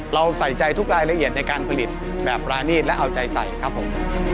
เราใส่ใจทุกรายละเอียดในการผลิตแบบรานีตและเอาใจใส่ครับผม